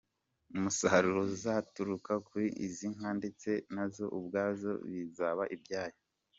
Umusaruro uzaturuka kuri izi nka ndetse nazo ubwazo bizaba ibyabo.